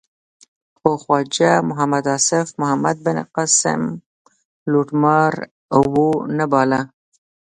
خو خواجه محمد آصف محمد بن قاسم لوټمار و نه باله.